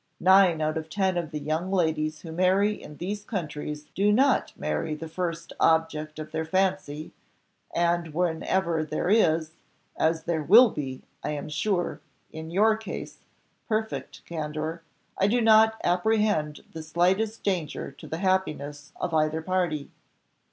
Nine out of ten of the young ladies who marry in these countries do not marry the first object of their fancy, and whenever there is, as there will be, I am sure, in your case, perfect candour, I do not apprehend the slightest danger to the happiness of either party.